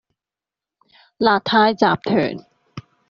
勒泰集團